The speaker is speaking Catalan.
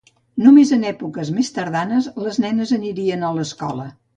Només en èpoques més tardanes les nenes anirien a l'escola.